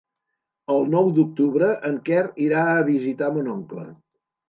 El nou d'octubre en Quer irà a visitar mon oncle.